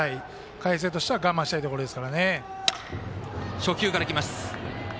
海星としては我慢したいところですね。